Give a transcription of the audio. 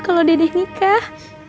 kalau dede nikah